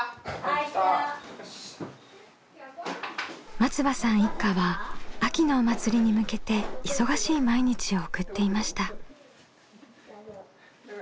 松場さん一家は秋のお祭りに向けて忙しい毎日を送っていました。